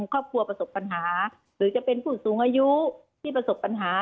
ครอบครัวประสบปัญหาหรือจะเป็นผู้สูงอายุที่ประสบปัญหา